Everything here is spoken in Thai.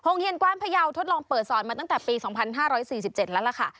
เฮียนกว้านพยาวทดลองเปิดสอนมาตั้งแต่ปี๒๕๔๗แล้วล่ะค่ะ